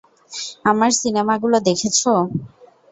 আমার সিনেমাগুলো দেখেছ?